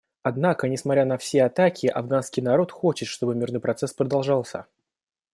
Однако, несмотря на все атаки, афганский народ хочет, чтобы мирный процесс продолжался.